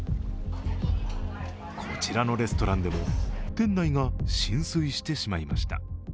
こちらのレストランでも店内が浸水してしまいました。